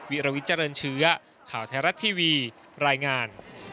วิรวิทเจริญเชื้อข่าวไทยรัฐทีวีรายงาน